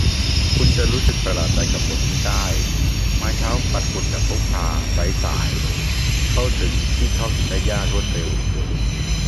คุณจะรู้สึกประหลาดใจกับผลที่ได้ ไม้ปัดฝุ่นแบบพกพา ไร้สาย เข้าถึงที่เข้าถึงได้ยาก รวดเร็ว